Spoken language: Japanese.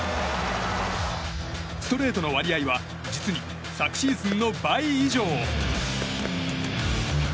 ストレートの割合は実に昨シーズンの倍以上。